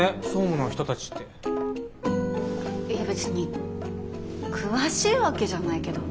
いや別に詳しいわけじゃないけど。